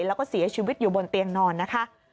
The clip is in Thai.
แล้วก็เสียชีวิตอยู่บนเตียงนอนนะคะ